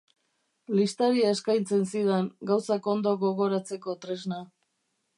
Listaria eskaintzen zidan, gauzak ondo gogoratzeko tresna.